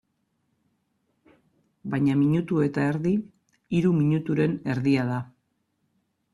Baina minutu eta erdi, hiru minuturen erdia da.